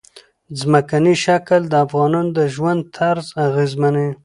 ځمکنی شکل د افغانانو د ژوند طرز اغېزمنوي.